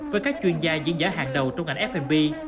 với các chuyên gia diễn giả hàng đầu trong ngành fnb